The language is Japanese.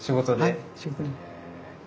はい仕事で。